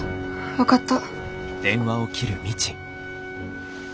分かった。